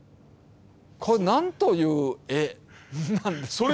これ、なんという絵なんですか。